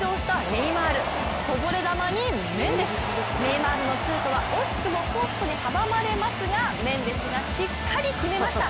ネイマールのシュートは惜しくもポストに阻まれますがメンデスがしっかり決めました。